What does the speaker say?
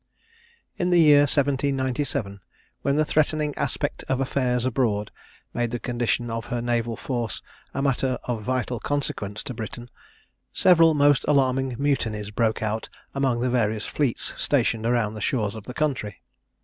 In the year 1797, when the threatening aspect of affairs abroad made the condition of her naval force a matter of vital consequence to Britain, several most alarming mutinies broke out among the various fleets stationed around the shores of the country.